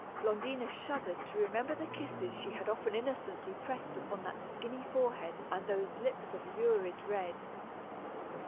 Blondina shuddered to remember the kisses she had often innocently pressed upon that skinny forehead and those lips of lurid red.